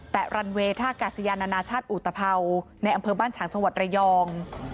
แต่ลันเวทากาเสียนอนาชาติอุตพรรคในอำเภอบ้านฉางชาวัดเรยอง